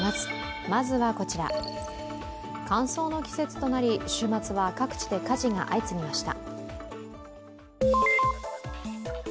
乾燥の季節となり、週末は各地で火事が相次ぎました。